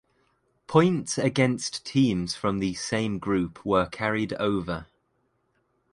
Points against teams from the same group were carried over.